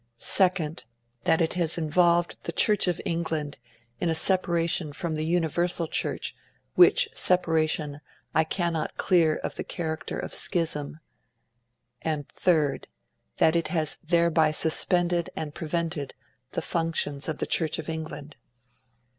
(2) That it has involved the Church of England in a separation from the Universal Church, which separation I cannot clear of the character of schism. (3) That it has thereby suspended and prevented the functions of the Church of England.'